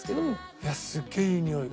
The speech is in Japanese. いやすげえいいにおいが。